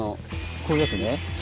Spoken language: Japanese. こういうやつね。